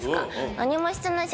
何もしてないし。